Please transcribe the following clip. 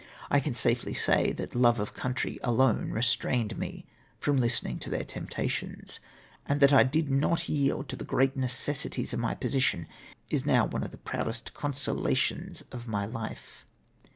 *I can safely say, that love of country, alone restrained me from listening to thefr temptations, and that I did not yield to the great necessities of my position is now one of the proudest consolations of my life.